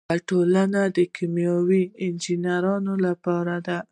یوه ټولنه د کیمیاوي انجینرانو لپاره ده.